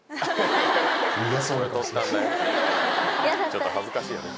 ちょっと恥ずかしいよね。